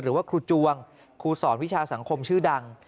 หรือว่าครูจวงครูสอนวิชาสังคมชื่อดัง